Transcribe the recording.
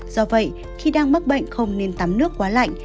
do vậy khi đang mắc bệnh không nên tắm nước quá lạnh